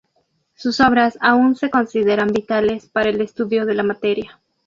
Sus obras aun se consideran vitales para el estudio de la materia.